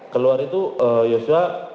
keluar itu joshua